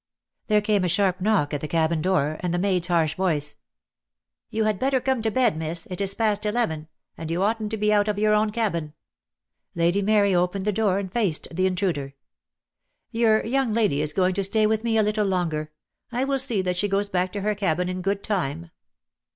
There came a sharp knock at the cabin door, and the maid's harsh voice. ' DEAD LOVE HAS CHAINS. ^$ "You had better come to bed, miss. It is past eleven, and you oughtn't to be out of your own cabin." .• Lady Mary opened the door and faced the intruder. "Your young lady is going to stay with me a little longer. I will see that she goes back to her cabin in good time."